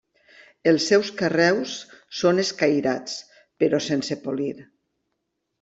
Els seus carreus són escairats però sense polir.